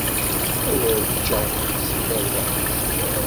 Awer ččeɣ si lerbaḥ-nsen.